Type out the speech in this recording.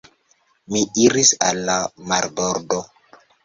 Mi iris al la marbordo.